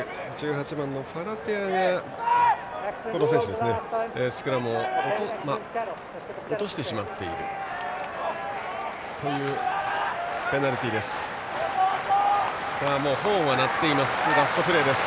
１８番のファラテアがスクラムを落としてしまっているというペナルティーです。